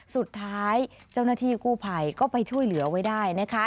สุดท้ายเจ้าหน้าที่กู้ภัยก็ไปช่วยเหลือไว้ได้นะคะ